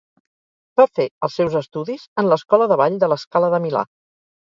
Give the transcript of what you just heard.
Va fer els seus estudis en l'Escola de ball de La Scala de Milà.